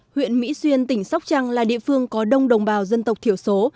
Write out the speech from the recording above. huyện mỹ xuyên tỉnh sóc trăng là địa phương có đông đồng bào dân tộc thiểu số